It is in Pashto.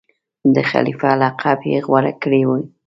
د خلیفه لقب یې غوره کړی وو.